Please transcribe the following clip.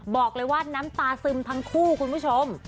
บอกเลยว่าน้ำตาซึมทั้งคู่คุณผู้ชม